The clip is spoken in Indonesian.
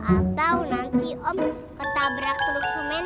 atau nanti om ketabrak teluk semen